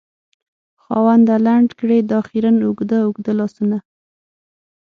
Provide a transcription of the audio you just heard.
خاونده! لنډ کړې دا خیرن اوږده اوږده لاسونه